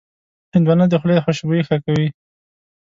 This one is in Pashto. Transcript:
هندوانه د خولې خوشبويي ښه کوي.